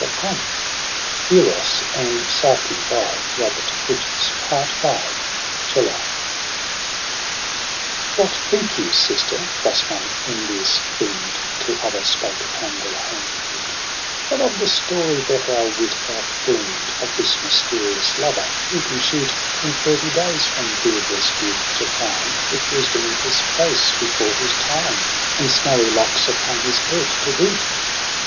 Would in no wise unto their death agree. I JULY I 'TTT'HAT think you, sister :' thus one envious fiend To other spake upon their homeward route, ' What of the story that our wit hath glean'd Of this mysterious lover, who can shoot In thirty days from beardless youth to prime, With wisdom in his face before his time, And snowy locks upon his head to boot